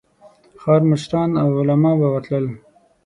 ښار مشران او علماء به ورتلل.